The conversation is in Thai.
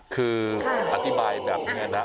คืออธิบายแบบนี้นะ